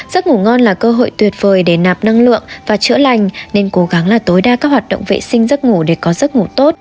giấc ngủ ngon là cơ hội tuyệt vời để nạp năng lượng và chữa lành nên cố gắng là tối đa các hoạt động vệ sinh giấc ngủ để có giấc ngủ tốt